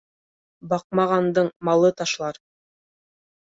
Баҡмағандың малы ташлар.